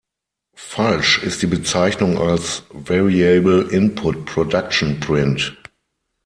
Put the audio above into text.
Falsch ist die Bezeichnung als „Variable Input Production Print“.